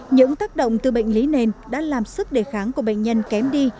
những tác động từ bệnh lý nền đã làm sức đề kháng của bệnh nhân kém đi